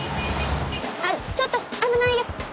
あっちょっと危ないよ！